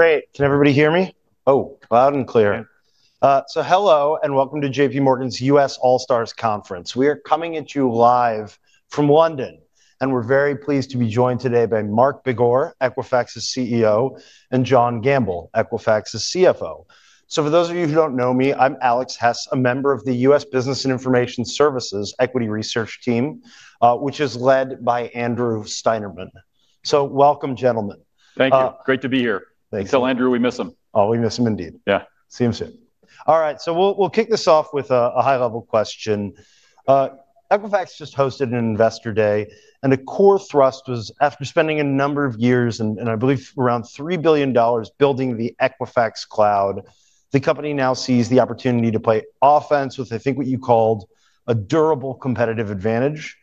Great. Can everybody hear me? Oh, loud and clear. Hello and welcome to JPMorgan's US All-Stars Conference. We are coming at you live from London. We're very pleased to be joined today by Mark Begor, Equifax's CEO, and John Gamble, Equifax's CFO. For those of you who don't know me, I'm Alex Hess, a member of the US Business and Information Services Equity Research Team, which is led by Andrew Steinerman. Welcome, gentlemen. Thank you. Great to be here. Thanks. We miss Andrew. Oh, we miss him indeed. Yeah. All right. We'll kick this off with a high-level question. Equifax just hosted an Investor Day, and the core thrust was, after spending a number of years, and I believe around $3 billion building the Equifax Cloud™, the company now sees the opportunity to play offense with, I think, what you called a durable competitive advantage.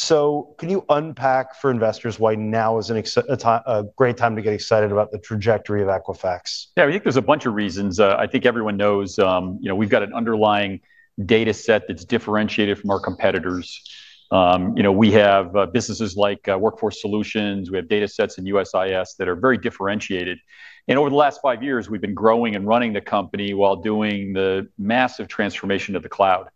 Can you unpack for investors why now is a great time to get excited about the trajectory of Equifax? Yeah, I think there's a bunch of reasons. I think everyone knows we've got an underlying data set that's differentiated from our competitors. We have businesses like Workforce Solutions. We have data sets in USIS that are very differentiated. Over the last five years, we've been growing and running the company while doing the massive transformation of the Cloud.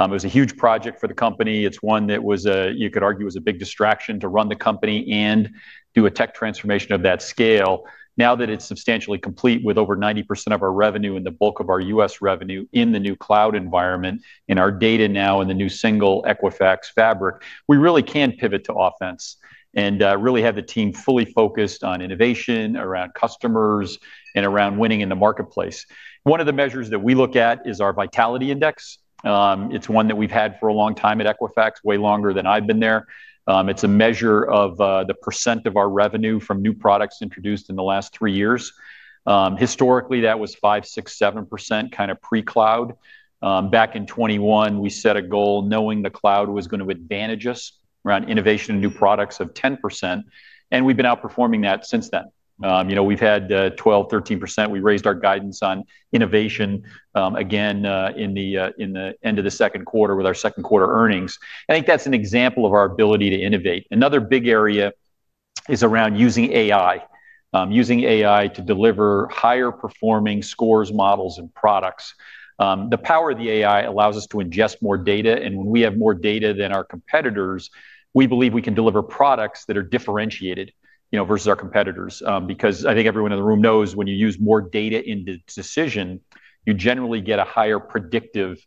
It was a huge project for the company. It's one that was, you could argue, a big distraction to run the company and do a tech transformation of that scale. Now that it's substantially complete, with over 90% of our revenue and the bulk of our U.S. revenue in the new Cloud environment and our data now in the new single Equifax fabric, we really can pivot to offense and really have the team fully focused on innovation, around customers, and around winning in the marketplace. One of the measures that we look at is our Vitality Index. It's one that we've had for a long time at Equifax, way longer than I've been there. It's a measure of the % of our revenue from new products introduced in the last three years. Historically, that was 5%, 6%, 7% kind of pre-Cloud. Back in 2021, we set a goal knowing the Cloud was going to advantage us around innovation and new products of 10%. We've been outperforming that since then. We've had 12%, 13%. We raised our guidance on innovation again at the end of the second quarter with our second quarter earnings. I think that's an example of our ability to innovate. Another big area is around using AI, using AI to deliver higher performing scores, models, and products. The power of the AI allows us to ingest more data. When we have more data than our competitors, we believe we can deliver products that are differentiated versus our competitors. I think everyone in the room knows when you use more data in the decision, you generally get a higher predictive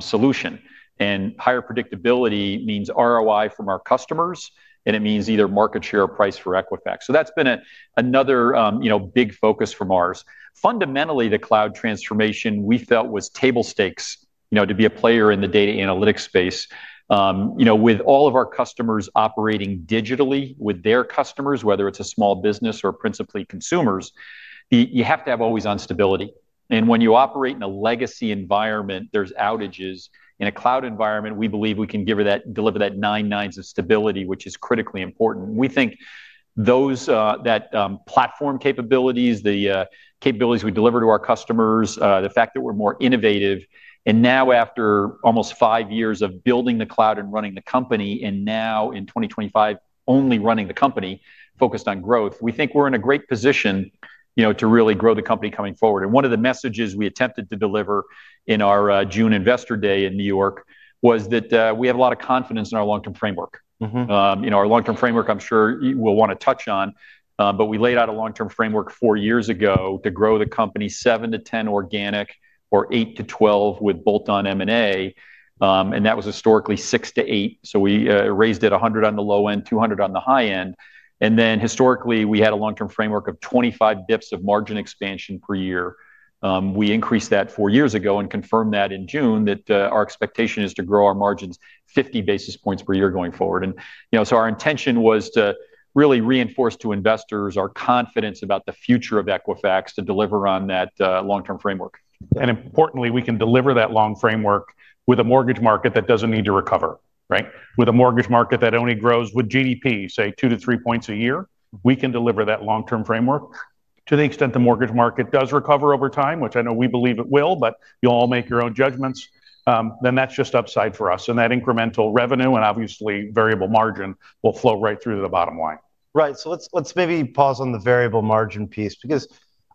solution. Higher predictability means ROI from our customers. It means either market share or price for Equifax. That's been another big focus from ours. Fundamentally, the Cloud transformation we felt was table stakes to be a player in the data analytics space. With all of our customers operating digitally, with their customers, whether it's a small business or principally consumers, you have to have always on stability. When you operate in a legacy environment, there's outages. In a Cloud environment, we believe we can deliver that nine nines of stability, which is critically important. We think those platform capabilities, the capabilities we deliver to our customers, the fact that we're more innovative, and now after almost five years of building the Cloud and running the company, and now in 2025, only running the company, focused on growth, we think we're in a great position to really grow the company coming forward. One of the messages we attempted to deliver in our June Investor Day in New York was that we have a lot of confidence in our long-term framework. Our long-term framework, I'm sure we'll want to touch on. We laid out a long-term framework four years ago to grow the company 7% to 10% organic or 8% to 12% with bolt-on M&A. That was historically 6% to 8%. We raised it 100% on the low end, 200% on the high end. Historically, we had a long-term framework of 25 bps of margin expansion per year. We increased that four years ago and confirmed that in June, that our expectation is to grow our margins 50 basis points per year going forward. Our intention was to really reinforce to investors our confidence about the future of Equifax to deliver on that long-term framework. Importantly, we can deliver that long framework with a mortgage market that doesn't need to recover, right? With a mortgage market that only grows with GDP, say, 2% to 3% a year, we can deliver that long-term framework. To the extent the mortgage market does recover over time, which I know we believe it will, but you'll all make your own judgments, that's just upside for us. That incremental revenue and obviously variable margin will flow right through to the bottom line. Let's maybe pause on the variable margin piece.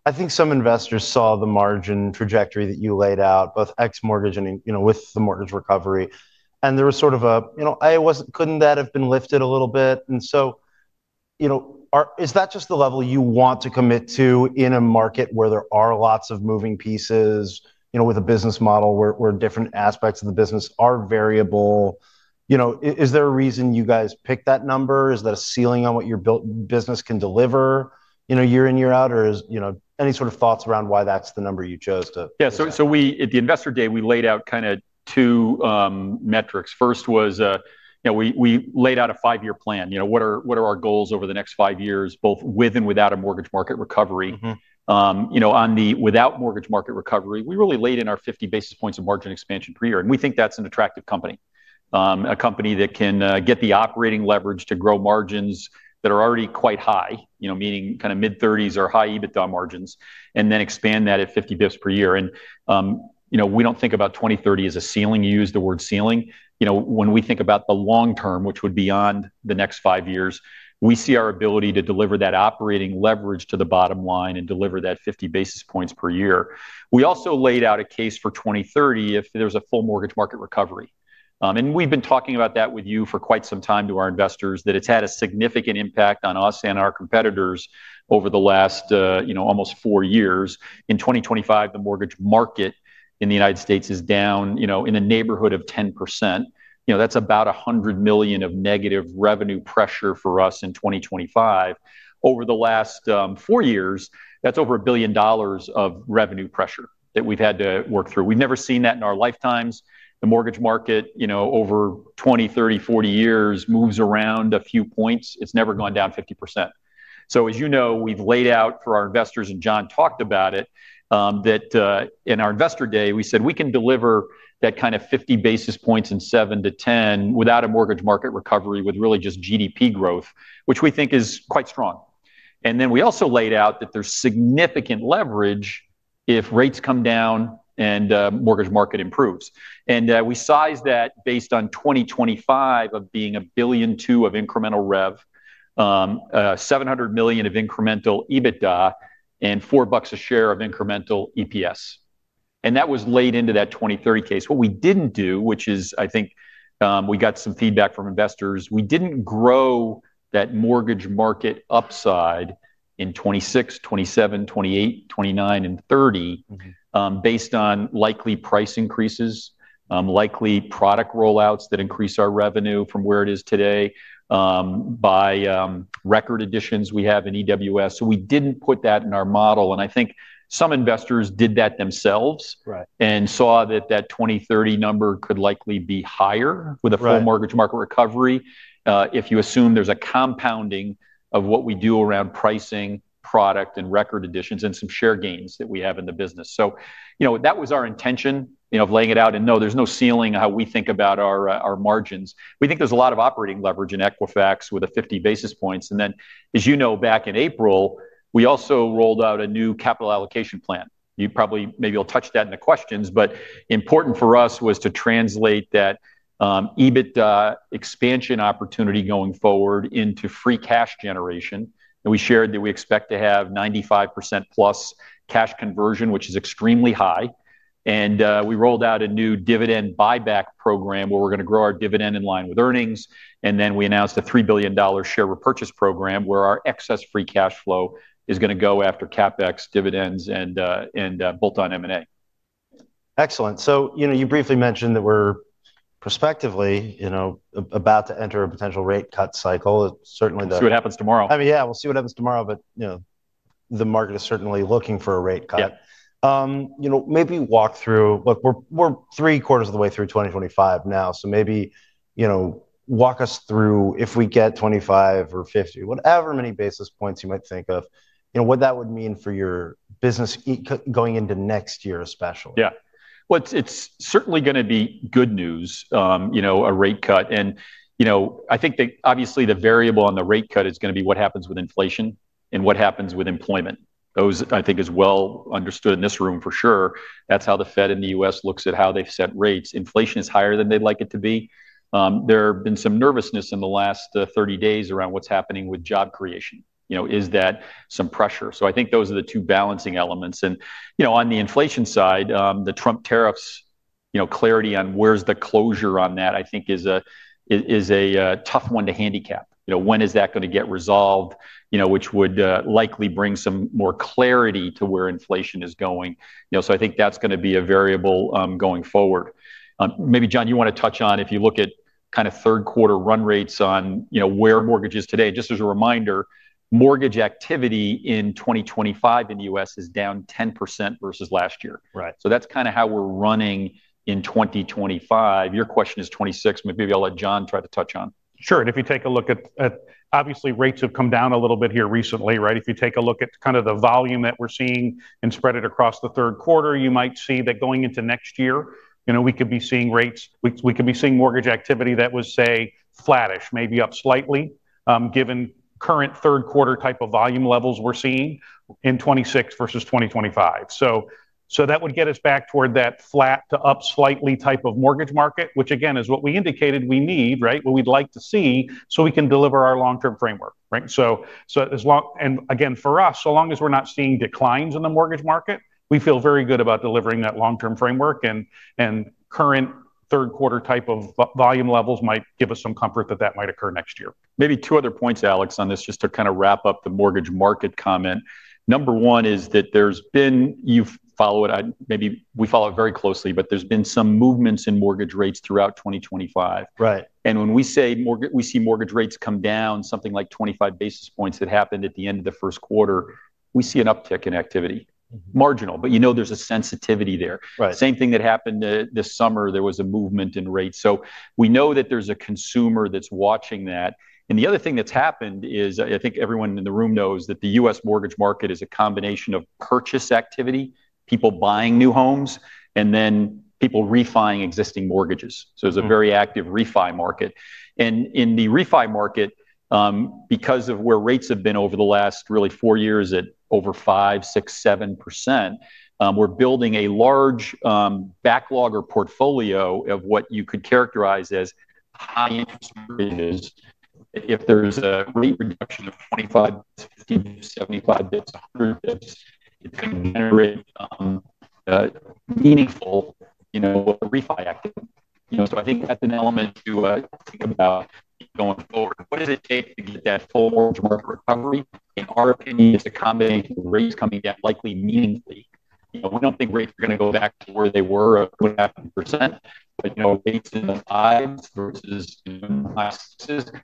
I think some investors saw the margin trajectory that you laid out, both ex-mortgage and with the mortgage recovery. There was sort of a, you know, couldn't that have been lifted a little bit? Is that just the level you want to commit to in a market where there are lots of moving pieces, with a business model where different aspects of the business are variable? Is there a reason you guys picked that number? Is that a ceiling on what your business can deliver, year in, year out? Any thoughts around why that's the number you chose to? At the Investor Day, we laid out kind of two metrics. First was, you know, we laid out a five-year plan. You know, what are our goals over the next five years, both with and without a mortgage market recovery? Without mortgage market recovery, we really laid in our 50 basis points of margin expansion per year. We think that's an attractive company, a company that can get the operating leverage to grow margins that are already quite high, meaning kind of mid-30s or high EBITDA margins, and then expand that at 50 bps per year. We don't think about 2030 as a ceiling. You used the word ceiling. When we think about the long term, which would be on the next five years, we see our ability to deliver that operating leverage to the bottom line and deliver that 50 basis points per year. We also laid out a case for 2030 if there's a full mortgage market recovery. We've been talking about that with you for quite some time to our investors, that it's had a significant impact on us and our competitors over the last almost four years. In 2025, the mortgage market in the U.S. is down in the neighborhood of 10%. That's about $100 million of negative revenue pressure for us in 2025. Over the last four years, that's over $1 billion of revenue pressure that we've had to work through. We've never seen that in our lifetimes. The mortgage market over 20, 30, 40 years moves around a few points. It's never gone down 50%. As you know, we've laid out for our investors, and John talked about it, that in our Investor Day, we said we can deliver that kind of 50 basis points in 7% to 10% without a mortgage market recovery, with really just GDP growth, which we think is quite strong. We also laid out that there's significant leverage if rates come down and the mortgage market improves. We sized that based on 2025 of being $1.2 billion of incremental revenue, $700 million of incremental EBITDA, and $4 a share of incremental EPS. That was laid into that 2030 case. What we didn't do, which is, I think we got some feedback from investors, we didn't grow that mortgage market upside in 2026, 2027, 2028, 2029, and 2030 based on likely price increases, likely product rollouts that increase our revenue from where it is today by record additions we have in EWS. We didn't put that in our model. I think some investors did that themselves and saw that that 2030 number could likely be higher with a full mortgage market recovery if you assume there's a compounding of what we do around pricing, product, and record additions, and some share gains that we have in the business. That was our intention of laying it out. No, there's no ceiling on how we think about our margins. We think there's a lot of operating leverage in Equifax with the 50 basis points. As you know, back in April, we also rolled out a new capital allocation plan. You probably maybe will touch that in the questions. Important for us was to translate that EBITDA expansion opportunity going forward into free cash generation. We shared that we expect to have 95%+ cash conversion, which is extremely high. We rolled out a new dividend buyback program where we're going to grow our dividend in line with earnings. We announced a $3 billion share repurchase program where our excess free cash flow is going to go after CapEx, dividends, and bolt-on M&A. Excellent. You briefly mentioned that we're prospectively about to enter a potential rate cut cycle. Certainly. See what happens tomorrow. I mean, yeah, we'll see what happens tomorrow. You know, the market is certainly looking for a rate cut. Yeah. Maybe walk through, look, we're three quarters of the way through 2025 now. Maybe, you know, walk us through if we get 25% or 50%, whatever many basis points you might think of, you know, what that would mean for your business going into next year, especially. Yeah, it's certainly going to be good news, you know, a rate cut. I think that obviously the variable on the rate cut is going to be what happens with inflation and what happens with employment. Those, I think, is well understood in this room for sure. That's how the Fed in the U.S. looks at how they've set rates. Inflation is higher than they'd like it to be. There has been some nervousness in the last 30 days around what's happening with job creation. You know, is that some pressure? I think those are the two balancing elements. You know, on the inflation side, the Trump tariffs, you know, clarity on where's the closure on that, I think, is a tough one to handicap. You know, when is that going to get resolved, you know, which would likely bring some more clarity to where inflation is going. I think that's going to be a variable going forward. Maybe, John, you want to touch on if you look at kind of third quarter run rates on, you know, where mortgages today. Just as a reminder, mortgage activity in 2025 in the U.S. is down 10% versus last year. Right. That's kind of how we're running in 2025. Your question is '26, maybe I'll let John try to touch on. Sure. If you take a look at, obviously, rates have come down a little bit here recently, right? If you take a look at kind of the volume that we're seeing and spread it across the third quarter, you might see that going into next year, we could be seeing rates, we could be seeing mortgage activity that was, say, flattish, maybe up slightly, given current third quarter type of volume levels we're seeing in 2026 versus 2025. That would get us back toward that flat to up slightly type of mortgage market, which, again, is what we indicated we need, what we'd like to see, so we can deliver our long-term framework, right? As long as we're not seeing declines in the mortgage market, we feel very good about delivering that long-term framework. Current third quarter type of volume levels might give us some comfort that that might occur next year. Maybe two other points, Alex, on this, just to kind of wrap up the mortgage market comment. Number one is that there's been, you follow it, maybe we follow it very closely, but there's been some movements in mortgage rates throughout 2025. Right. When we say we see mortgage rates come down something like 25 basis points that happened at the end of the first quarter, we see an uptick in activity, marginal. There's a sensitivity there. Right. Same thing that happened this summer. There was a movement in rates. We know that there's a consumer that's watching that. The other thing that's happened is, I think everyone in the room knows that the U.S. mortgage market is a combination of purchase activity, people buying new homes, and then people refiing existing mortgages. It's a very active refi market. In the refi market, because of where rates have been over the last really four years at over 5%, 6%, 7%, we're building a large backlog or portfolio of what you could characterize as high interest rate, as if there's a rate reduction of 25%, 60%, 75%, 100%. It's a meaningful refi activity. I think that's an element to think about going forward. What does it take to get that full mortgage market recovery? In our opinion, it's a combination of rates coming down likely meaningfully. We don't think rates are going to go back to where they were at 0.5%. Rates in the highs versus in the high 6s.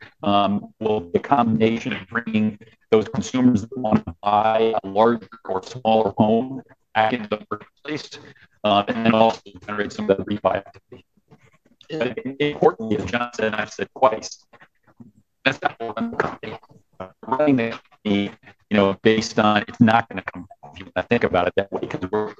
The combination of bringing those consumers on high, large, or smaller homes back into the marketplace, and then also generate some of that refi activity. Yeah. Importantly, as John said, and I've said twice, that's not one mistake. Running that, you know, based on it's not going to come if you think about it that way.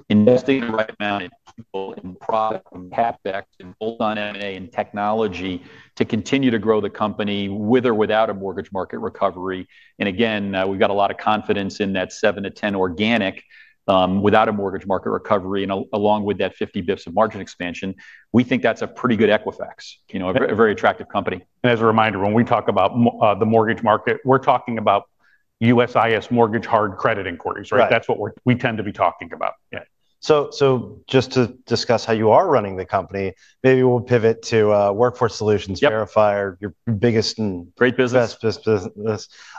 In this state, we recommend people in product, CapEx, in bolt-on M&A, in technology to continue to grow the company with or without a mortgage market recovery. We've got a lot of confidence in that 7% to 10% organic without a mortgage market recovery. Along with that 50 bps of margin expansion, we think that's a pretty good Equifax, you know, a very attractive company. As a reminder, when we talk about the mortgage market, we're talking about USIS mortgage hard credit inquiries, right? Yeah. That's what we tend to be talking about. Just to discuss how you are running the company, maybe we'll pivot to Workforce Solutions, Verifier, your biggest and. Great business.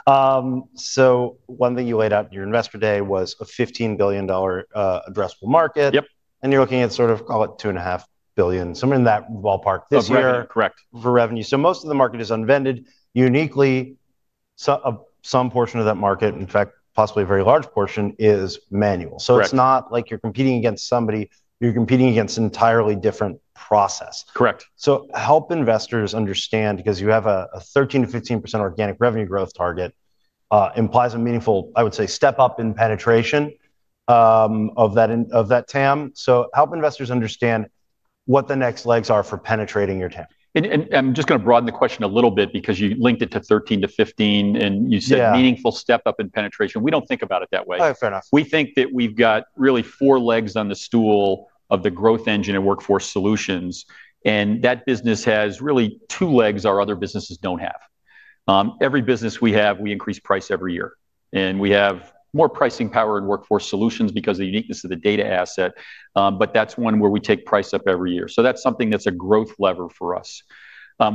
One thing you laid out in your Investor Day was a $15 billion addressable market. Yep. You're looking at sort of, call it $2.5 billion, somewhere in that ballpark this year. This year, correct. For revenue, most of the market is unvended. Uniquely, some portion of that market, in fact, possibly a very large portion, is manual. Correct. It’s not like you’re competing against somebody. You’re competing against an entirely different process. Correct. Help investors understand, because you have a 13% to 15% organic revenue growth target, which implies a meaningful, I would say, step up in penetration of that TAM. Help investors understand what the next legs are for penetrating your TAM. I'm just going to broaden the question a little bit because you linked it to 13% to 15%. You said meaningful step up in penetration. We don't think about it that way. Oh, fair enough. We think that we've got really four legs on the stool of the growth engine at Workforce Solutions. That business has really two legs our other businesses don't have. Every business we have, we increase price every year. We have more pricing power in Workforce Solutions because of the uniqueness of the data asset. That's one where we take price up every year. That's something that's a growth lever for us.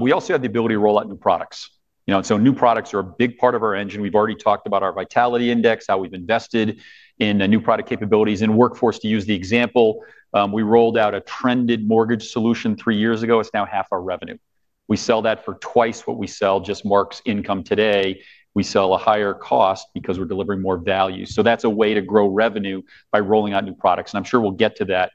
We also have the ability to roll out new products. New products are a big part of our engine. We've already talked about our Vitality Index, how we've invested in new product capabilities in Workforce to use the example. We rolled out a trended mortgage solution three years ago. It's now half our revenue. We sell that for twice what we sell just marks income today. We sell at a higher cost because we're delivering more value. That's a way to grow revenue by rolling out new products. I'm sure we'll get to that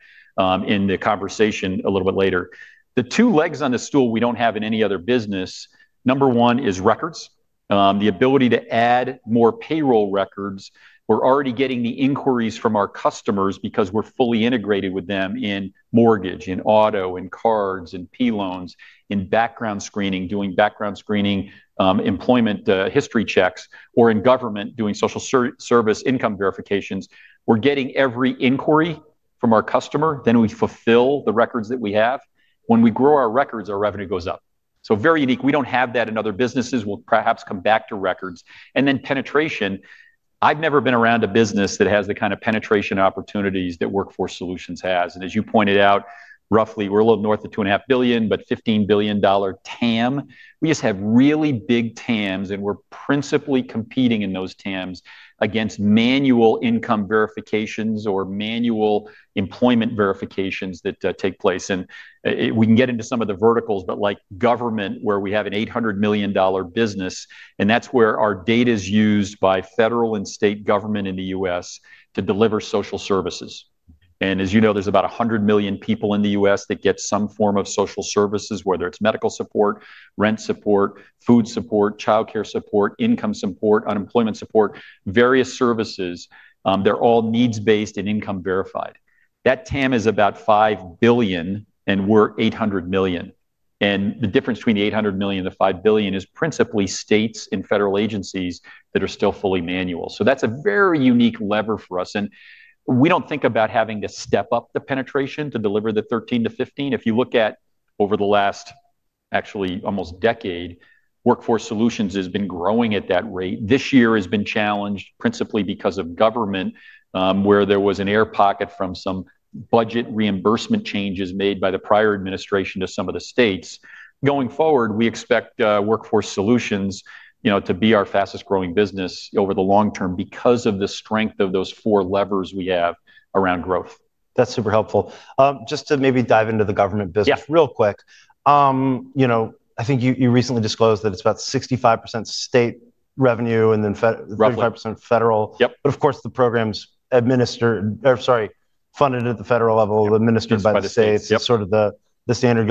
in the conversation a little bit later. The two legs on the stool we don't have in any other business, number one is records, the ability to add more payroll records. We're already getting the inquiries from our customers because we're fully integrated with them in mortgage, in auto, in cards, in P loans, in background screening, doing background screening, employment history checks, or in government doing social service income verifications. We're getting every inquiry from our customer. We fulfill the records that we have. When we grow our records, our revenue goes up. Very unique. We don't have that in other businesses. We'll perhaps come back to records. Penetration. I've never been around a business that has the kind of penetration opportunities that Workforce Solutions has. As you pointed out, roughly, we're a little north of $2.5 billion, but $15 billion TAM. We just have really big TAMs. We're principally competing in those TAMs against manual income verifications or manual employment verifications that take place. We can get into some of the verticals, like government, where we have an $800 million business. That's where our data is used by federal and state government in the U.S. to deliver social services. As you know, there's about 100 million people in the U.S. that get some form of social services, whether it's medical support, rent support, food support, child care support, income support, unemployment support, various services. They're all needs-based and income verified. That TAM is about $5 billion, and we're $800 million. The difference between the $800 million and the $5 billion is principally states and federal agencies that are still fully manual. That's a very unique lever for us. We don't think about having to step up the penetration to deliver the 13% to 15%. If you look at over the last, actually, almost decade, Workforce Solutions has been growing at that rate. This year has been challenged principally because of government, where there was an air pocket from some budget reimbursement changes made by the prior administration to some of the states. Going forward, we expect Workforce Solutions to be our fastest growing business over the long term because of the strength of those four levers we have around growth. That's super helpful. Just to maybe dive into the government business real quick. Yeah. You know, I think you recently disclosed that it's about 65% state revenue and then 35% federal. Yep. The programs funded at the federal level are administered by the states. That's right. It's sort of the standard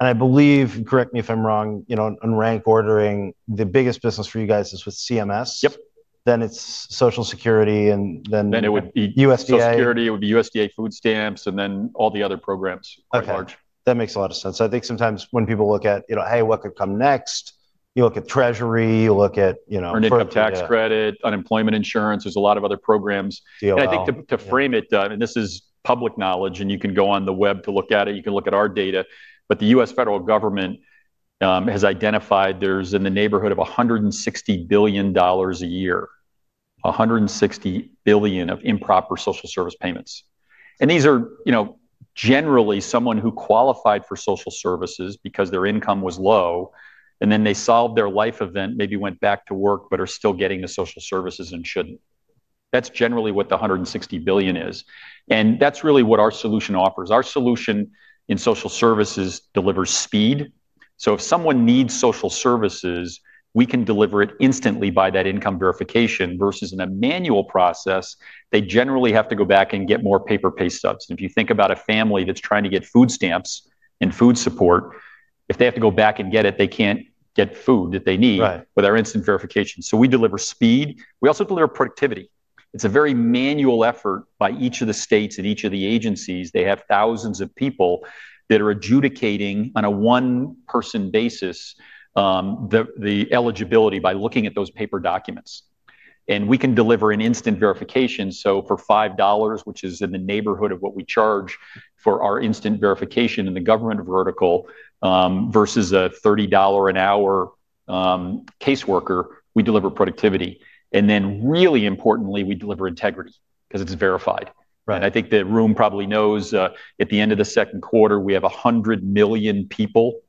go-to-market. I believe, correct me if I'm wrong, you know, on rank ordering, the biggest business for you guys is with CMS. Yep. It is Social Security and then. It would be Social Security, it would be USDA food stamps, and then all the other programs at large. OK. That makes a lot of sense. I think sometimes when people look at, you know, hey, what could come next? You look at Treasury. You look at, you know. Earned Income Tax Credit, unemployment insurance. There's a lot of other programs. Yeah. I think to frame it, and this is public knowledge, you can go on the web to look at it. You can look at our data. The U.S. federal government has identified there's in the neighborhood of $160 billion a year, $160 billion of improper social service payments. These are generally someone who qualified for social services because their income was low, and then they solved their life event, maybe went back to work, but are still getting the social services and shouldn't. That's generally what the $160 billion is. That's really what our solution offers. Our solution in social services delivers speed. If someone needs social services, we can deliver it instantly by that income verification versus in a manual process, they generally have to go back and get more paper pay stubs. If you think about a family that's trying to get food stamps and food support, if they have to go back and get it, they can't get food that they need. Right. With our instant verification, we deliver speed. We also deliver productivity. It's a very manual effort by each of the states and each of the agencies. They have thousands of people that are adjudicating on a one-person basis the eligibility by looking at those paper documents. We can deliver an instant verification. For $5, which is in the neighborhood of what we charge for our instant verification in the government vertical versus a $30 an hour caseworker, we deliver productivity. Really importantly, we deliver integrity because it's verified. Right. I think the room probably knows at the end of the second quarter, we have 100 million people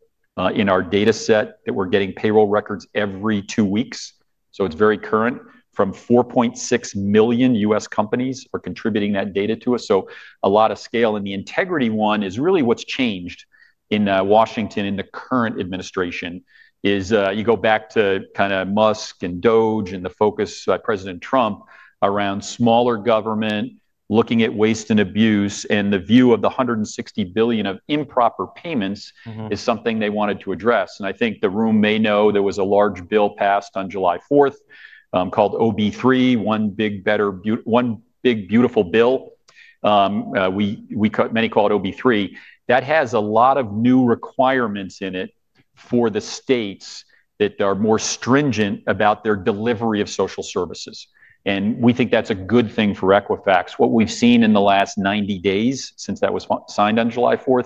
in our data set that we're getting payroll records every two weeks. It's very current. From 4.6 million U.S. companies are contributing that data to us. A lot of scale. The integrity one is really what's changed in Washington in the current administration. If you go back to kind of Musk and DOGE and the focus by President Trump around smaller government, looking at waste and abuse, the view of the $160 billion of improper payments is something they wanted to address. I think the room may know there was a large bill passed on July 4 called OB-3, one big, better, one big, beautiful bill. Many call it OB-3. That has a lot of new requirements in it for the states that are more stringent about their delivery of social services. We think that's a good thing for Equifax. What we've seen in the last 90 days since that was signed on July 4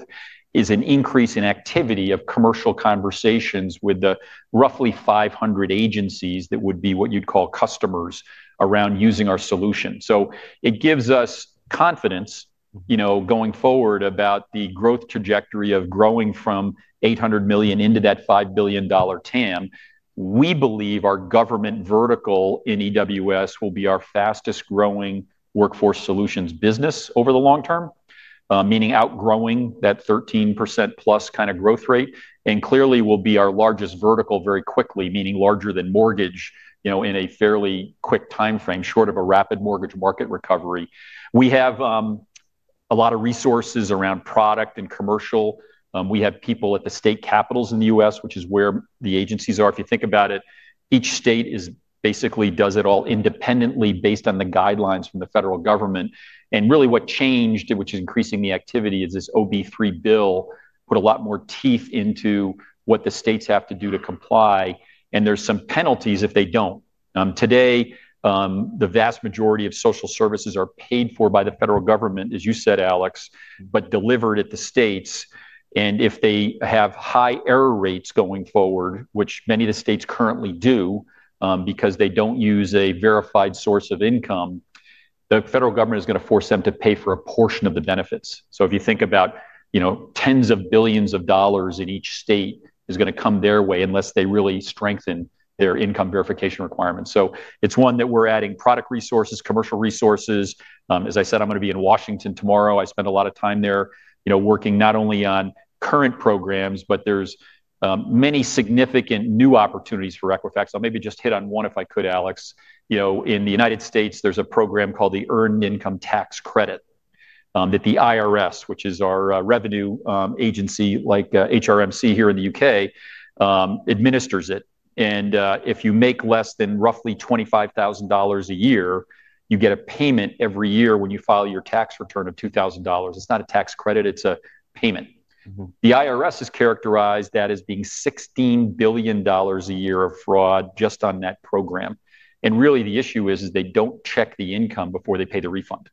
is an increase in activity of commercial conversations with the roughly 500 agencies that would be what you'd call customers around using our solution. It gives us confidence, going forward, about the growth trajectory of growing from $800 million into that $5 billion TAM. We believe our government vertical in EWS will be our fastest growing Workforce Solutions business over the long term, meaning outgrowing that 13% plus kind of growth rate. Clearly, it will be our largest vertical very quickly, meaning larger than mortgage in a fairly quick time frame, short of a rapid mortgage market recovery. We have a lot of resources around product and commercial. We have people at the state capitals in the U.S., which is where the agencies are. If you think about it, each state basically does it all independently based on the guidelines from the federal government. What changed, which is increasing the activity, is this OB-3 bill put a lot more teeth into what the states have to do to comply. There are some penalties if they don't. Today, the vast majority of social services are paid for by the federal government, as you said, Alex, but delivered at the states. If they have high error rates going forward, which many of the states currently do because they don't use a verified source of income, the federal government is going to force them to pay for a portion of the benefits. If you think about tens of billions of dollars in each state, it is going to come their way unless they really strengthen their income verification requirements. It is one that we are adding product resources, commercial resources. As I said, I am going to be in Washington tomorrow. I spent a lot of time there working not only on current programs, but there are many significant new opportunities for Equifax. I will maybe just hit on one if I could, Alex. In the United States, there is a program called the Earned Income Tax Credit that the IRS, which is our revenue agency like HMRC here in the UK, administers. If you make less than roughly $25,000 a year, you get a payment every year when you file your tax return of $2,000. It is not a tax credit. It is a payment. The IRS has characterized that as being $16 billion a year of fraud just on that program. The issue is they do not check the income before they pay the refund.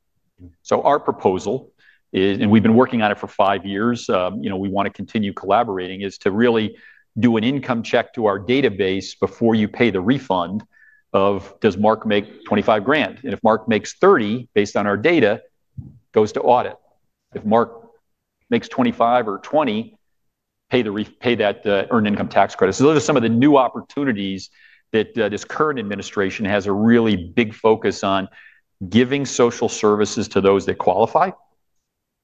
Our proposal is, and we have been working on it for five years, we want to continue collaborating, to really do an income check to our database before you pay the refund of does Mark make $25,000? If Mark makes $30,000 based on our data, it goes to audit. If Mark makes $25,000 or $20,000, pay that Earned Income Tax Credit. Those are some of the new opportunities that this current administration has a really big focus on giving social services to those that qualify.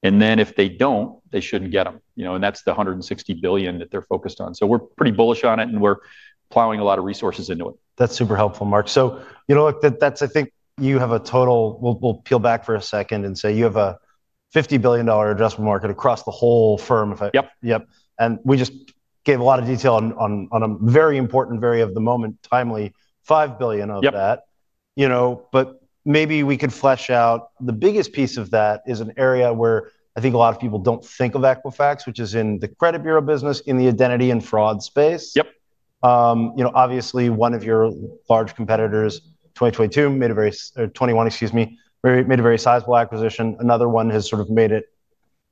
If they do not, they should not get them. That is the $160 billion that they are focused on. We are pretty bullish on it, and we are plowing a lot of resources into it. That's super helpful, Mark. I think you have a total, we'll peel back for a second and say you have a $50 billion addressable market across the whole firm of it. Yep. Yep. We just gave a lot of detail on a very important, very of the moment, timely, $5 billion of that. Yeah. Maybe we could flesh out the biggest piece of that, which is an area where I think a lot of people don't think of Equifax, which is in the credit bureau business in the identity and fraud space. Yep. Obviously, one of your large competitors in 2022 made a very, or 2021, excuse me, made a very sizable acquisition. Another one has sort of made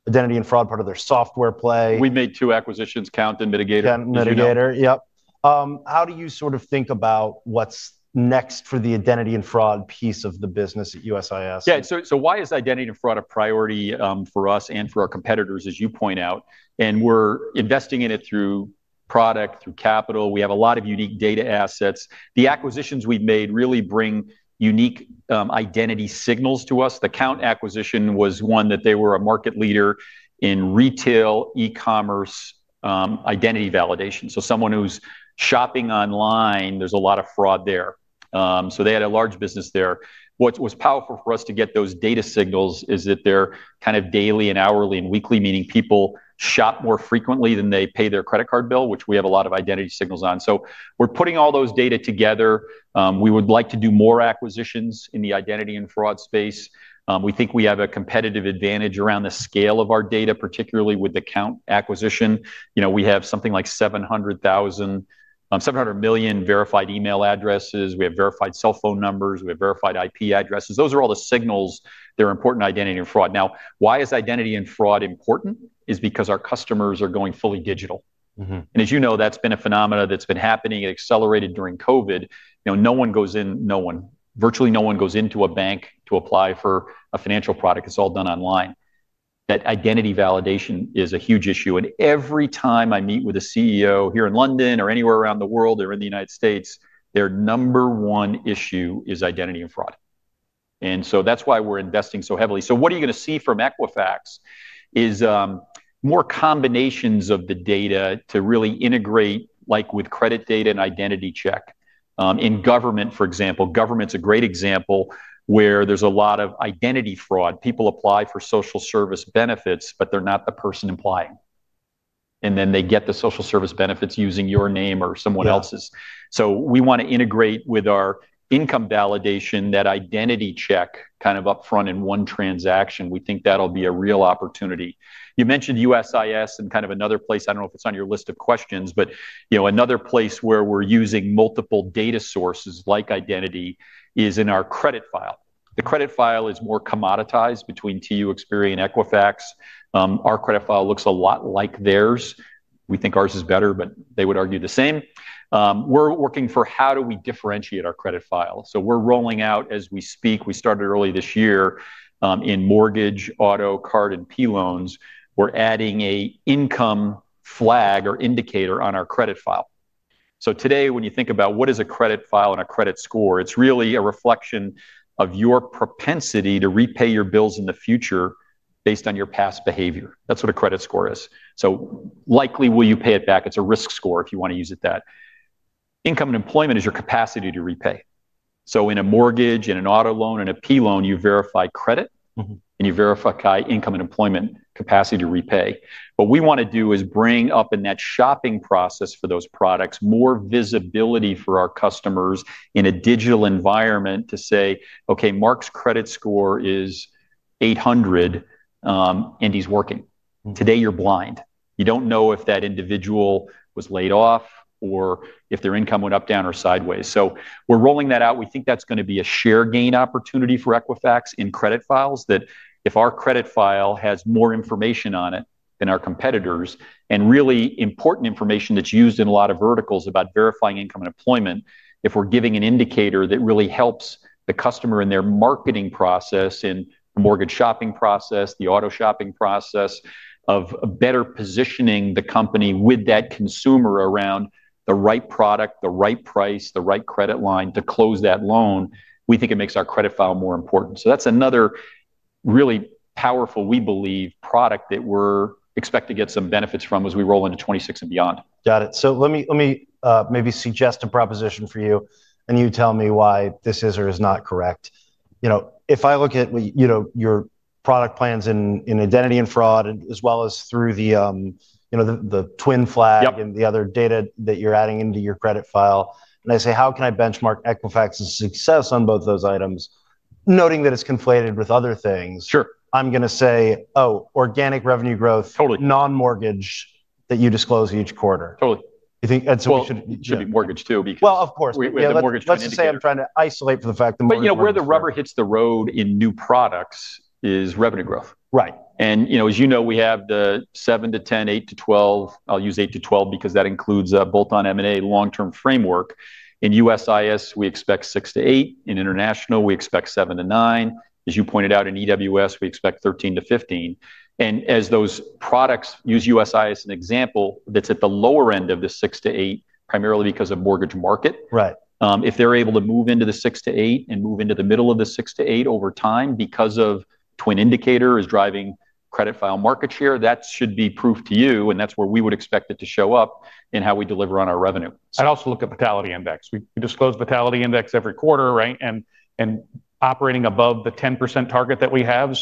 identity and fraud part of their software play. We've made two acquisitions, Kount and Mitigator. Mitigator, yep. How do you sort of think about what's next for the identity and fraud piece of the business at USIS? Yeah. Why is identity and fraud a priority for us and for our competitors, as you point out? We're investing in it through product, through capital. We have a lot of unique data assets. The acquisitions we've made really bring unique identity signals to us. The Kount acquisition was one where they were a market leader in retail e-commerce identity validation. Someone who's shopping online, there's a lot of fraud there. They had a large business there. What was powerful for us to get those data signals is that they're kind of daily and hourly and weekly, meaning people shop more frequently than they pay their credit card bill, which we have a lot of identity signals on. We're putting all those data together. We would like to do more acquisitions in the identity and fraud space. We think we have a competitive advantage around the scale of our data, particularly with the Kount acquisition. We have something like 700 million verified email addresses. We have verified cell phone numbers. We have verified IP addresses. Those are all the signals that are important to identity and fraud. Now, why is identity and fraud important? It's because our customers are going fully digital. As you know, that's been a phenomena that's been happening. It accelerated during COVID. No one, virtually no one, goes into a bank to apply for a financial product. It's all done online. That identity validation is a huge issue. Every time I meet with a CEO here in London or anywhere around the world or in the U.S., their number one issue is identity and fraud. That's why we're investing so heavily. What you are going to see from Equifax is more combinations of the data to really integrate, like with credit data and identity check. In government, for example, government's a great example where there's a lot of identity fraud. People apply for social service benefits, but they're not a person applying. They get the social service benefits using your name or someone else's. Right. We want to integrate with our income validation that identity check kind of upfront in one transaction. We think that'll be a real opportunity. You mentioned USIS and kind of another place, I don't know if it's on your list of questions, but another place where we're using multiple data sources like identity is in our credit file. The credit file is more commoditized between TransUnion, Experian, and Equifax. Our credit file looks a lot like theirs. We think ours is better, but they would argue the same. We're working for how do we differentiate our credit file. We're rolling out as we speak, we started early this year in mortgage, auto, card, and personal loans. We're adding an income flag or indicator on our credit file. Today, when you think about what is a credit file and a credit score, it's really a reflection of your propensity to repay your bills in the future based on your past behavior. That's what a credit score is. Likely will you pay it back? It's a risk score if you want to use it that way. Income and employment is your capacity to repay. In a mortgage, in an auto loan, and a personal loan, you verify credit. You verify income and employment capacity to repay. What we want to do is bring up in that shopping process for those products more visibility for our customers in a digital environment to say, OK, Mark's credit score is 800 and he's working. Today, you're blind. You don't know if that individual was laid off or if their income went up, down, or sideways. We're rolling that out. We think that's going to be a share gain opportunity for Equifax in credit files if our credit file has more information on it than our competitors and really important information that's used in a lot of verticals about verifying income and employment. If we're giving an indicator that really helps the customer in their marketing process and the mortgage shopping process, the auto shopping process of better positioning the company with that consumer around the right product, the right price, the right credit line to close that loan, we think it makes our credit file more important. That's another really powerful, we believe, product that we expect to get some benefits from as we roll into 2026 and beyond. Let me suggest a proposition for you. You tell me why this is or is not correct. If I look at your product plans in identity and fraud, as well as through the twin flag and the other data that you're adding into your credit file, and I say, how can I benchmark Equifax's success on both those items, noting that it's conflated with other things? Sure. I'm going to say, oh, organic revenue growth. Totally. Non-mortgage that you disclose each quarter. Totally. You think? Totally. And so. Should be mortgage, too. Of course. We have a mortgage transaction. I'm trying to isolate for the fact that. Where the rubber hits the road in new products is revenue growth. Right. As you know, we have the 7% to 10%, 8% to 12%. I'll use 8% to 12% because that includes a bolt-on M&A long-term framework. In USIS, we expect 6% to 8%. In international, we expect 7% to 9%. As you pointed out, in EWS, we expect 13% to 15%. As those products use USIS as an example, that's at the lower end of the 6% to 8%, primarily because of mortgage market. Right. If they're able to move into the 6% to 8% and move into the middle of the 6% to 8% over time because the twin indicator is driving credit file market share, that should be proof to you. That's where we would expect it to show up in how we deliver on our revenue. I'd also look at Vitality Index. We disclose Vitality Index every quarter, right? We're operating above the 10% target that we have.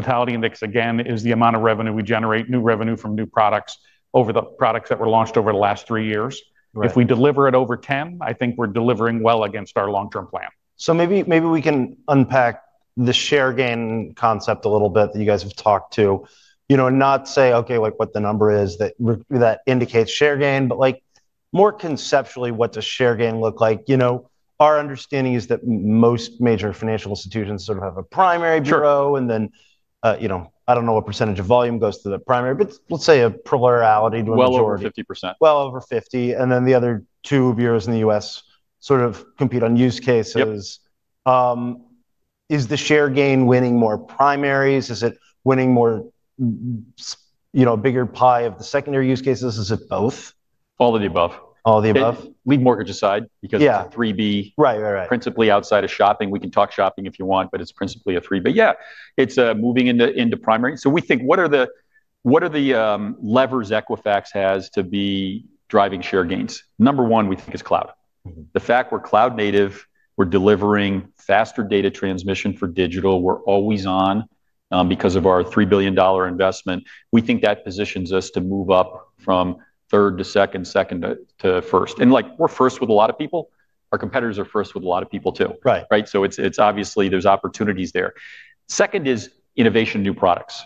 Vitality Index, again, is the amount of revenue we generate, new revenue from new products over the products that were launched over the last three years. Right. If we deliver at over 10%, I think we're delivering well against our long-term plan. Maybe we can unpack the share gain concept a little bit that you guys have talked to, you know, and not say, OK, like what the number is that indicates share gain, but like more conceptually, what does share gain look like? You know, our understanding is that most major financial institutions sort of have a primary bureau. Yeah. I don't know what % of volume goes to the primary, but let's say a plurality to a majority. Over 50%. Over 50. The other two bureaus in the U.S. sort of compete on use cases. Yeah. Is the share gain winning more primaries? Is it winning more, you know, a bigger pie of the secondary use cases? Is it both? All of the above. All of the above. Leave mortgage aside because it's a $3 billion. Right, right, right. Principally outside of shopping. We can talk shopping if you want, but it's principally a $3 billion. Yeah, it's moving into primary. We think what are the levers Equifax has to be driving share gains? Number one, we think is cloud. The fact we're cloud native, we're delivering faster data transmission for digital, we're always on because of our $3 billion investment. We think that positions us to move up from third to second, second to first. Like we're first with a lot of people. Our competitors are first with a lot of people too. Right. Right? It's obvious there's opportunities there. Second is innovation in new products.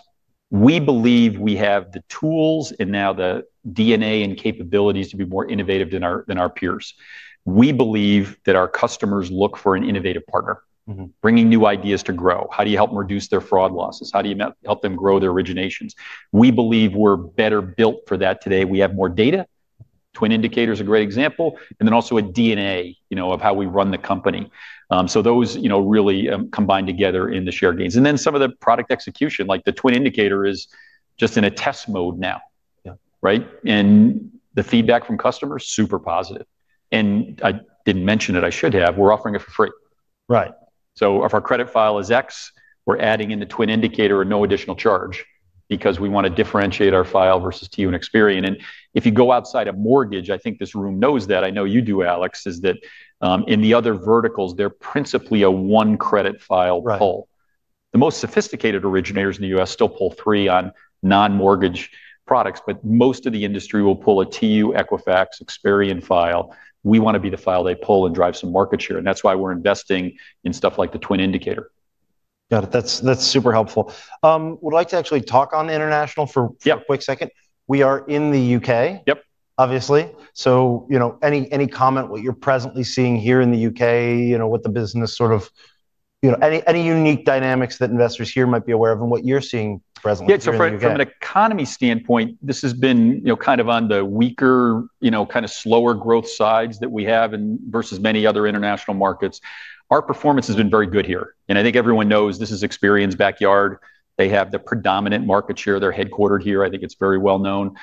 We believe we have the tools and now the DNA and capabilities to be more innovative than our peers. We believe that our customers look for an innovative partner, bringing new ideas to grow. How do you help them reduce their fraud losses? How do you help them grow their originations? We believe we're better built for that today. We have more data. Twin Indicator is a great example. Also, a DNA of how we run the company. Those really combine together in the share gains, and some of the product execution, like the Twin Indicator, is just in a test mode now. Yeah. Right? The feedback from customers is super positive. I didn't mention it. I should have. We're offering it for free. Right. If our credit file is X, we're adding in the twin indicator at no additional charge because we want to differentiate our file versus TransUnion and Experian. If you go outside of mortgage, I think this room knows that. I know you do, Alex, in the other verticals, they're principally a one credit file pull. Right. The most sophisticated originators in the US still pull three on non-mortgage products. Most of the industry will pull a TransUnion, Equifax, Experian file. We want to be the file they pull and drive some market share. That is why we're investing in stuff like the twin indicator. Got it. That's super helpful. We'd like to actually talk on the international for a quick second. Yeah. We are in the UK. Yep. Obviously, any comment what you're presently seeing here in the UK, what the business sort of, any unique dynamics that investors here might be aware of and what you're seeing presently in the UK? Yeah. From an economy standpoint, this has been kind of on the weaker, slower growth sides that we have versus many other international markets. Our performance has been very good here. I think everyone knows this is Experian's backyard. They have the predominant market share. They're headquartered here. I think it's very well known.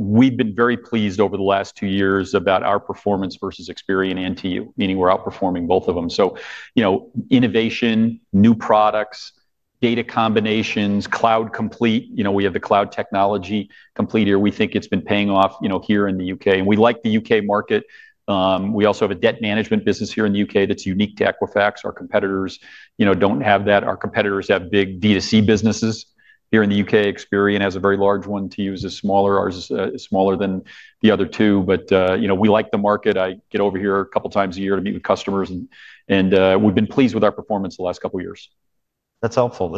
We've been very pleased over the last two years about our performance versus Experian and TransUnion, meaning we're outperforming both of them. Innovation, new products, data combinations, cloud complete. We have the cloud technology complete here. We think it's been paying off here in the UK. We like the UK market. We also have a debt management business here in the UK that's unique to Equifax. Our competitors don't have that. Our competitors have big D2C businesses. Here in the UK, Experian has a very large one. TransUnion is smaller. Ours is smaller than the other two. We like the market. I get over here a couple of times a year to meet with customers. We've been pleased with our performance the last couple of years. That's helpful.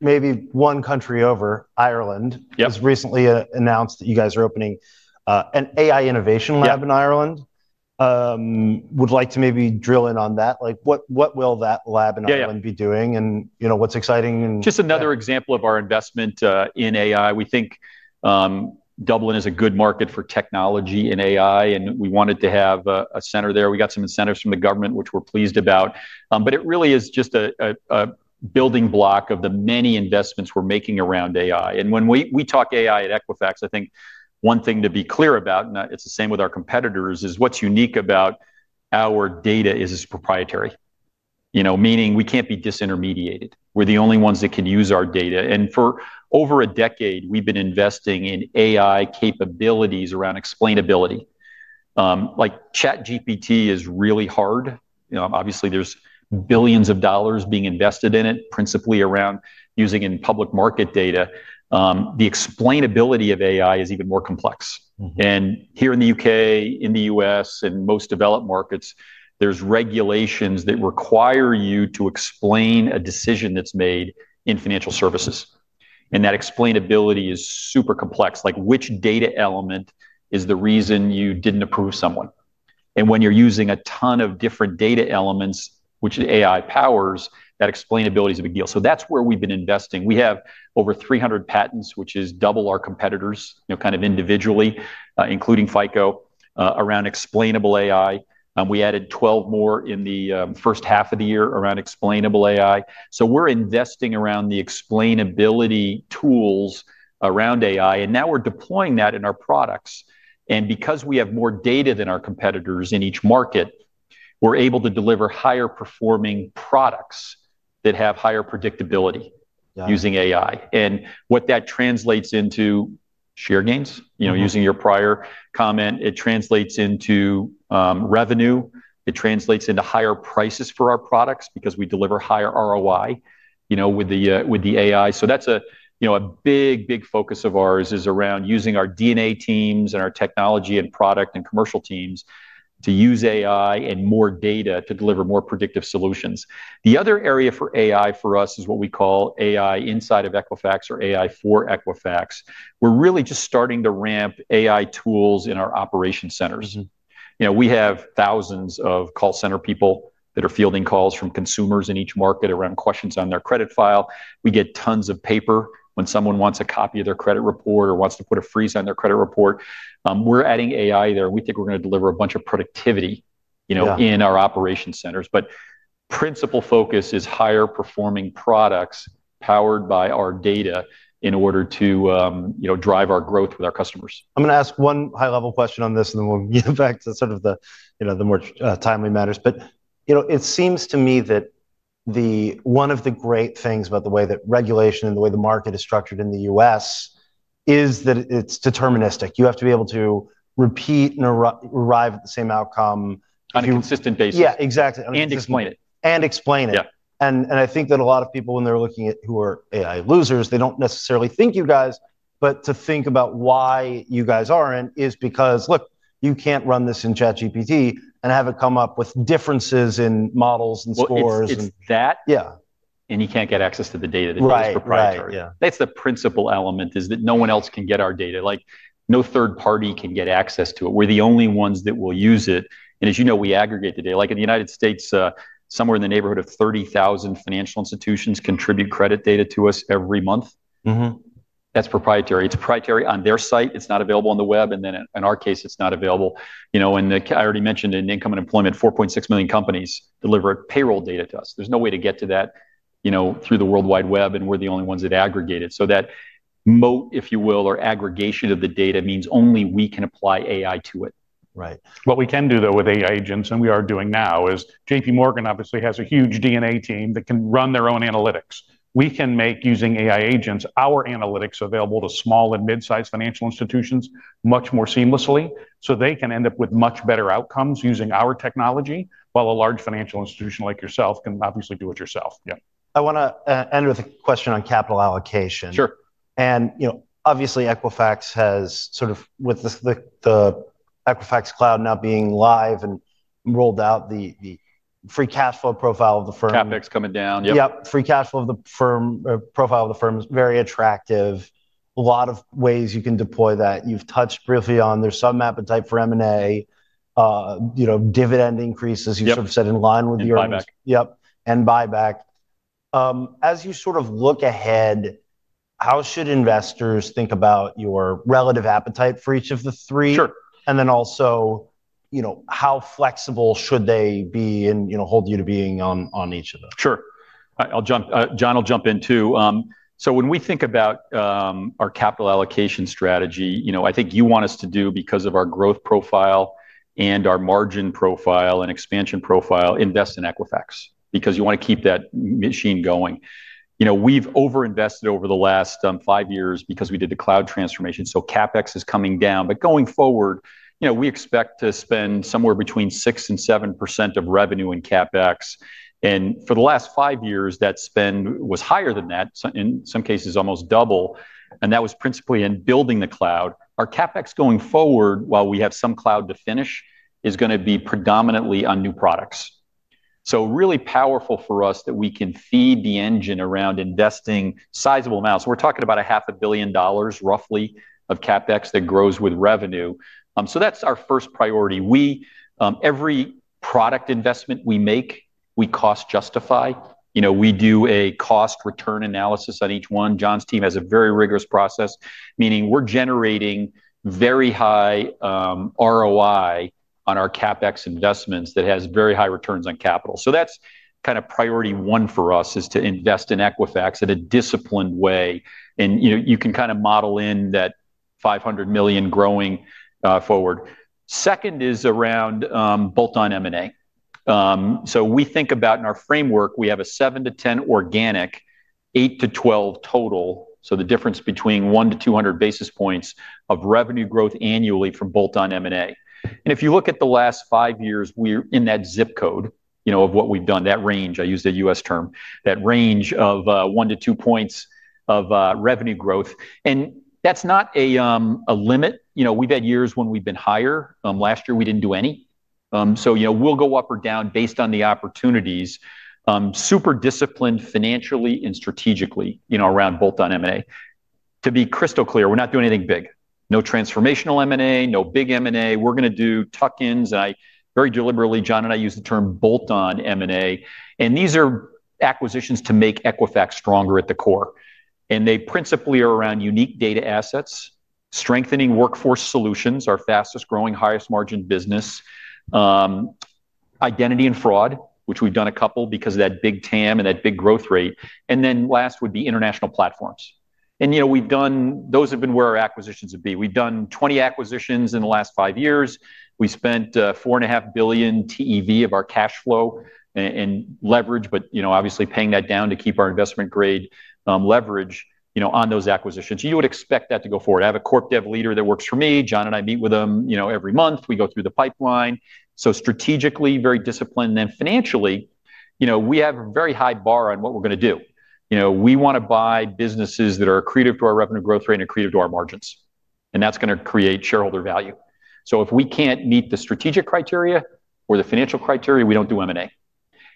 Maybe one country over, Ireland. Yeah. Was recently announced that you guys are opening an AI innovation lab in Dublin. Yeah. Would like to maybe drill in on that. Like what will that lab in Dublin be doing? Yeah. You know what's exciting. Just another example of our investment in AI. We think Dublin is a good market for technology in AI, and we wanted to have a center there. We got some incentives from the government, which we're pleased about. It really is just a building block of the many investments we're making around AI. When we talk AI at Equifax, I think one thing to be clear about, and it's the same with our competitors, is what's unique about our data is it's proprietary, meaning we can't be disintermediated. We're the only ones that can use our data. For over a decade, we've been investing in AI capabilities around explainability. Like ChatGPT is really hard. Obviously, there's billions of dollars being invested in it, principally around using in public market data. The explainability of AI is even more complex. Here in the UK, in the US, and most developed markets, there's regulations that require you to explain a decision that's made in financial services. That explainability is super complex, like which data element is the reason you didn't approve someone. When you're using a ton of different data elements, which the AI powers, that explainability is a big deal. That's where we've been investing. We have over 300 patents, which is double our competitors, kind of individually, including FICO, around explainable AI. We added 12 more in the first half of the year around explainable AI. We're investing around the explainability tools around AI, and now we're deploying that in our products. Because we have more data than our competitors in each market, we're able to deliver higher performing products that have higher predictability using AI. Yeah. What that translates into is share gains. Using your prior comment, it translates into revenue. It translates into higher prices for our products because we deliver higher ROI with the AI. That's a big, big focus of ours, around using our DNA teams and our technology and product and commercial teams to use AI and more data to deliver more predictive solutions. The other area for AI for us is what we call AI inside of Equifax or AI for Equifax. We're really just starting to ramp AI tools in our operation centers. We have thousands of call center people that are fielding calls from consumers in each market around questions on their credit file. We get tons of paper when someone wants a copy of their credit report or wants to put a freeze on their credit report. We're adding AI there, and we think we're going to deliver a bunch of productivity in our operation centers. Right. The principal focus is higher performing products powered by our data in order to drive our growth with our customers. I'm going to ask one high-level question on this, then we'll get back to the more timely matters. It seems to me that one of the great things about the way that regulation and the way the market is structured in the U.S. is that it's deterministic. You have to be able to repeat and arrive at the same outcome. On a consistent basis. Yeah, exactly. Explain it. Explain it. Yeah. I think that a lot of people, when they're looking at who are AI losers, they don't necessarily think you guys. To think about why you guys aren't is because, look, you can't run this in ChatGPT and have it come up with differences in models and scores. It's that. Yeah. You can't get access to the data that is proprietary. Right. Yeah. That's the principal element is that no one else can get our data. No third party can get access to it. We're the only ones that will use it. As you know, we aggregate the data. In the United States, somewhere in the neighborhood of 30,000 financial institutions contribute credit data to us every month. Mm-hmm. That's proprietary. It's proprietary on their site. It's not available on the web. In our case, it's not available. I already mentioned in income and employment, 4.6 million companies deliver payroll data to us. There's no way to get to that through the worldwide web. We're the only ones that aggregate it. That moat, if you will, or aggregation of the data means only we can apply AI to it. Right. What we can do, though, with AI agents, and we are doing now, is JPMorgan obviously has a huge DNA team that can run their own analytics. We can make, using AI agents, our analytics available to small and mid-sized financial institutions much more seamlessly. They can end up with much better outcomes using our technology while a large financial institution like yourself can obviously do it yourself. Yeah. I want to end with a question on capital allocation. Sure. Obviously, Equifax has sort of, with the Equifax Cloud™ now being live and rolled out, the free cash flow profile of the firm. CapEx coming down. Yep. Yep. Free cash flow of the firm, profile of the firm is very attractive. A lot of ways you can deploy that. You've touched briefly on there's some appetite for M&A, you know, dividend increases. Yep. You said in line with your. And buyback. Yep. As you sort of look ahead, how should investors think about your relative appetite for each of the three? Sure. How flexible should they be and hold you to being on each of them? Sure. I'll jump, John, I'll jump in too. When we think about our capital allocation strategy, I think you want us to do, because of our growth profile and our margin profile and expansion profile, invest in Equifax because you want to keep that machine going. We've overinvested over the last five years because we did the cloud transformation. CapEx is coming down. Going forward, we expect to spend somewhere between 6% and 7% of revenue in CapEx. For the last five years, that spend was higher than that, in some cases almost double. That was principally in building the cloud. Our CapEx going forward, while we have some cloud to finish, is going to be predominantly on new products. It's really powerful for us that we can feed the engine around investing sizable amounts. We're talking about a half a billion dollars, roughly, of CapEx that grows with revenue. That's our first priority. Every product investment we make, we cost justify. We do a cost return analysis on each one. John's team has a very rigorous process, meaning we're generating very high ROI on our CapEx investments that has very high returns on capital. That's kind of priority one for us is to invest in Equifax in a disciplined way. You can kind of model in that $500 million growing forward. Second is around bolt-on M&A. We think about in our framework, we have a 7% to 10% organic, 8% to 12% total. The difference between 1% to 200 basis points of revenue growth annually from bolt-on M&A. If you look at the last five years, we're in that zip code of what we've done, that range, I use the U.S. term, that range of 1% to 2% points of revenue growth. That's not a limit. We've had years when we've been higher. Last year, we didn't do any. We'll go up or down based on the opportunities, super disciplined financially and strategically around bolt-on M&A. To be crystal clear, we're not doing anything big. No transformational M&A, no big M&A. We're going to do tuck-ins. I very deliberately, John and I use the term bolt-on M&A. These are acquisitions to make Equifax stronger at the core. They principally are around unique data assets, strengthening Workforce Solutions, our fastest growing, highest margin business, identity and fraud, which we've done a couple because of that big TAM and that big growth rate. The last would be international platforms. We've done, those have been where our acquisitions would be. We've done 20 acquisitions in the last five years. We spent $4.5 billion TEV of our cash flow and leverage. Obviously, paying that down to keep our investment grade leverage on those acquisitions. You would expect that to go forward. I have a Corp Dev leader that works for me. John and I meet with him every month. We go through the pipeline. Strategically, very disciplined. Financially, we have a very high bar on what we're going to do. We want to buy businesses that are accretive to our revenue growth rate and accretive to our margins, and that's going to create shareholder value. If we can't meet the strategic criteria or the financial criteria, we don't do M&A.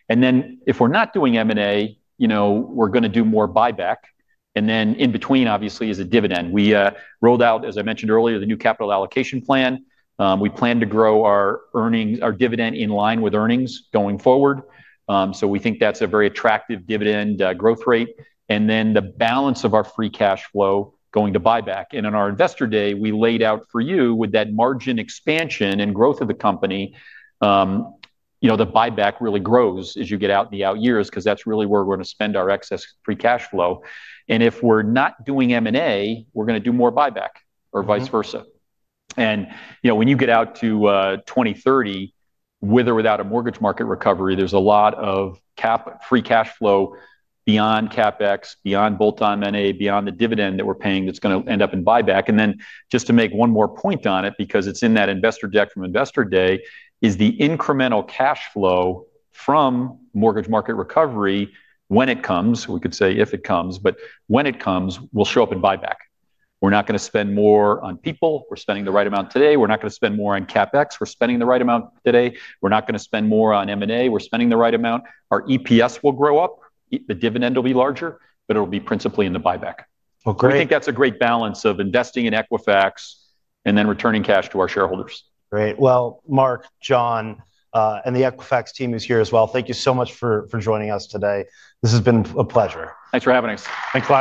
If we're not doing M&A, we're going to do more buyback. In between, obviously, is a dividend. We rolled out, as I mentioned earlier, the new capital allocation plan. We plan to grow our dividend in line with earnings going forward. We think that's a very attractive dividend growth rate. The balance of our free cash flow is going to buyback. On our Investor Day, we laid out for you with that margin expansion and growth of the company, the buyback really grows as you get out in the out years because that's really where we're going to spend our excess free cash flow. If we're not doing M&A, we're going to do more buyback or vice versa. Right. When you get out to 2030, with or without a mortgage market recovery, there's a lot of free cash flow beyond CapEx, beyond bolt-on M&A, beyond the dividend that we're paying that's going to end up in buyback. Just to make one more point on it, because it's in that Investor Deck from Investor Day, the incremental cash flow from mortgage market recovery when it comes, we could say if it comes, but when it comes, will show up in buyback. We're not going to spend more on people. We're spending the right amount today. We're not going to spend more on CapEx. We're spending the right amount today. We're not going to spend more on M&A. We're spending the right amount. Our EPS will grow up. The dividend will be larger. It'll be principally in the buyback. Well, great. I think that's a great balance of investing in Equifax and then returning cash to our shareholders. Great. Mark, John, and the Equifax team is here as well. Thank you so much for joining us today. This has been a pleasure. Thanks for having us. Thanks, John.